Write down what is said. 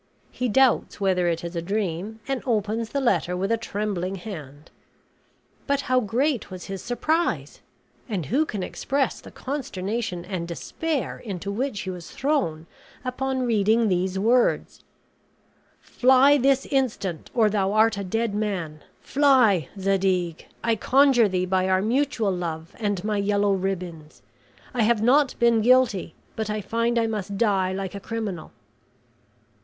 He doubts whether it is a dream; and opens the letter with a trembling hand. But how great was his surprise! and who can express the consternation and despair into which he was thrown upon reading these words: "Fly this instant, or thou art a dead man. Fly, Zadig, I conjure thee by our mutual love and my yellow ribbons. I have not been guilty, but I find I must die like a criminal."